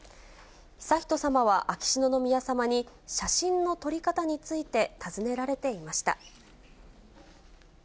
悠仁さまは、秋篠宮さまに、写真の撮り方について尋ねられていました。